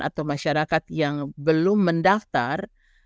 atau masyarakat yang belum mendaftar